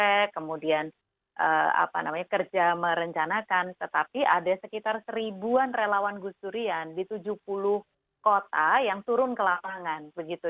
inilah kerja yang sudah ganteng jadi kira kira saya tidak merencanakan tetapi ada sekitar seribuan relawan gusu rian di tujuh puluh kota yang turun ke lakangan begitu